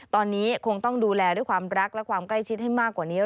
ตอนนี้คงต้องดูแลด้วยความรักและความใกล้ชิดให้มากกว่านี้